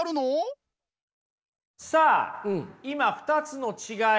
さあ今２つの違い